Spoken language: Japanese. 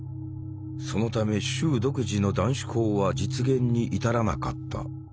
そのため州独自の断種法は実現に至らなかった。